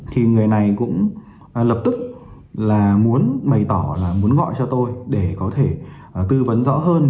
thì người này cũng lập tức là muốn bày tỏ là muốn gọi cho tôi để có thể tư vấn rõ hơn